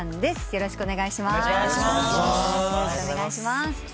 よろしくお願いします。